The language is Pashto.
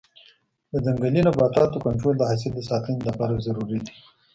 د ځنګلي نباتاتو کنټرول د حاصل د ساتنې لپاره ضروري دی.